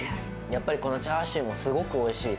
やっぱりこのチャーシューもすごくおいしい。